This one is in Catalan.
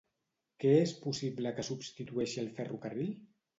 Què és possible que substitueixi el ferrocarril?